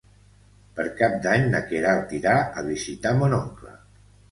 Per Cap d'Any na Queralt irà a visitar mon oncle.